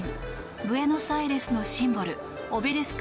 ブエノスアイレスのシンボルオベリスク